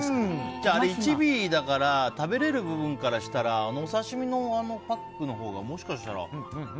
あれ１尾だから食べられる部分からしたらあのお刺し身のパックのほうがもしかしたら。